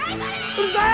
うるさい！